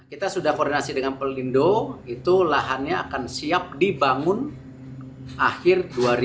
kita sudah koordinasi dengan pelindo itu lahannya akan siap dibangun akhir dua ribu dua puluh